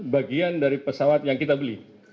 bagian dari pesawat yang kita beli